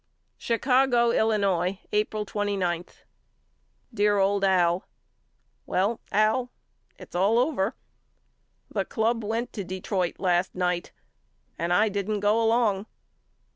Chicago, Illinois, April 29. DEAR OLD AL: Well Al it's all over. The club went to Detroit last night and I didn't go along.